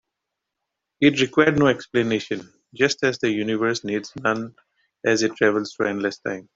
It required no explanation, just as the universe needs none as it travels through endless time.